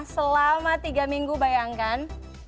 selama tiga minggu bayangkan